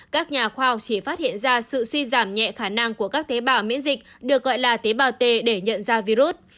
các nhà khoa học chỉ phát hiện ra sự suy giảm nhẹ khả năng của các tế bào miễn dịch được gọi là tế bào t để nhận ra virus